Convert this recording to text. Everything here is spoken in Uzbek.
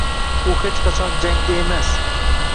U hech qachon jangda emas.